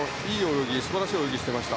泳ぎ素晴らしい泳ぎをしていました。